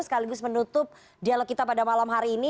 sekaligus menutup dialog kita pada malam hari ini